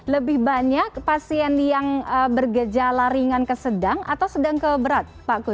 lebih banyak pasien yang bergejala ringan kesedang atau sedang keberat